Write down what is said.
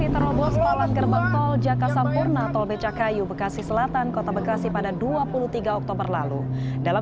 terlalu jangka sampurna tol becakayu bekasi selatan kota bekasi pada dua puluh tiga oktober lalu dalam